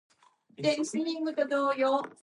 This forced it to be disabled for vehicle use.